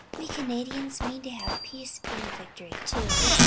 "We Canadians mean to have peace and victory, too.